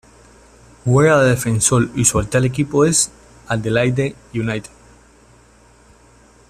Juega de defensor y su actual equipo es Adelaide United.